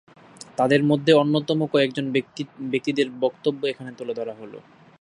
তাদের মধ্যে অন্যতম কয়েকজন ব্যক্তিদের বক্তব্য এখানে তুলে ধরা হলো।